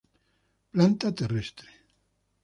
Planta terrestre.